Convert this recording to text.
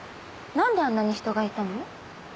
なんであんなに人がいたの？